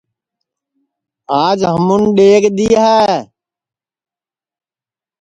آج ہمون ڈؔیگ دؔی ہے